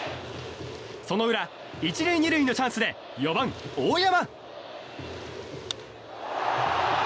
その裏、１塁２塁のチャンスで４番、大山。